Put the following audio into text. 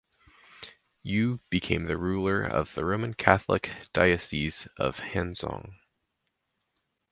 Yu became the ruler of the Roman Catholic Diocese of Hanzhong.